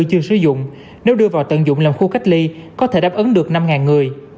chưa sử dụng nếu đưa vào tận dụng làm khu cách ly có thể đáp ứng được năm người